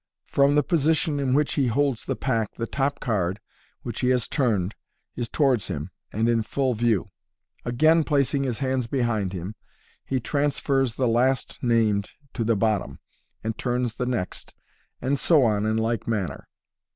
From the position in which he holds the pack, the top card, which he has turned, is to wards him, and in full view. Again placing his hands behind him, he transfers the last named to the bottom, and turns the next, and so on in like manner.